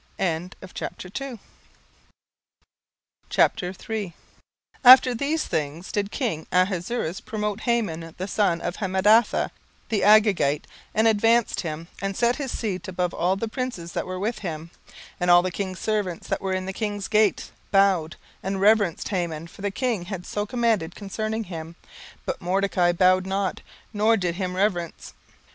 17:003:001 After these things did king Ahasuerus promote Haman the son of Hammedatha the Agagite, and advanced him, and set his seat above all the princes that were with him. 17:003:002 And all the king's servants, that were in the king's gate, bowed, and reverenced Haman: for the king had so commanded concerning him. But Mordecai bowed not, nor did him reverence.